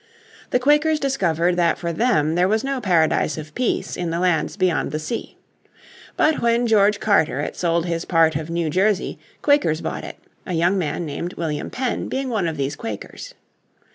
The Quakers discovered that for them there was no Paradise of Peace in the lands beyond the sea. But when George Carteret sold his part of New Jersey Quakers bought it, a young man named William Penn being one of these Quakers.